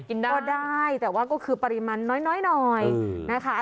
กินได้แต่ว่าก็คือปริมาณน้อยน้อย